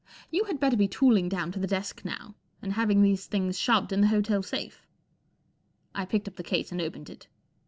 You had better be tooling down to the desk now and having these things shoved in the hotel safe/' I picked up the case and opened it.